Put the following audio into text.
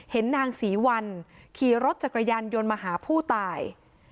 เห็นนางศรีวรรณขี่รถจากกระยันยนต์มาหาผู้ตาย